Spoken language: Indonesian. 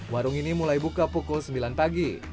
warung ini mulai buka pukul sembilan pagi